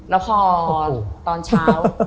แล้วพอตอนเช้า